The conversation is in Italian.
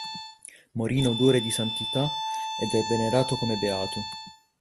Morì in odore di santità ed è venerato come beato.